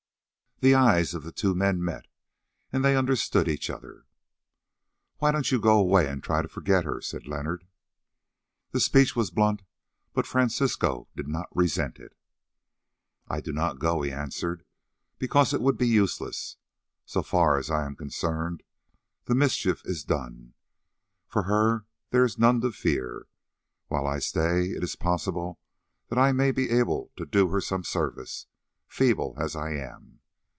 The eyes of the two men met, and they understood each other. "Why don't you go away and try to forget her?" said Leonard. The speech was blunt, but Francisco did not resent it. "I do not go," he answered, "because it would be useless. So far as I am concerned the mischief is done; for her there is none to fear. While I stay it is possible that I may be able to do her some service, feeble as I am.